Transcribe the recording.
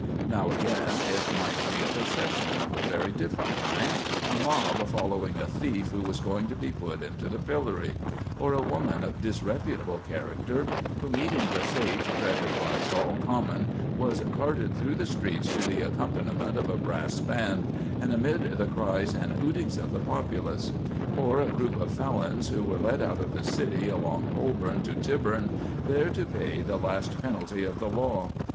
Now, again, it might be a procession of a very different kind—a mob following a thief who was going to be put into the pillory, or a woman of disreputable character who, meeting the fate dreaded by Doll Common, was carted through the streets to the accompaniment of a brass band, and amid the cries and hootings of the populace; or a group of felons who were led out of the city along Holborn to Tyburn, there to pay the last penalty of the law.